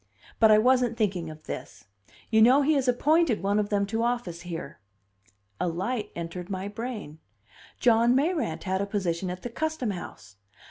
But I wasn't thinking of this. You know he has appointed one of them to office here." A light entered my brain: John Mayrant had a position at the Custom House!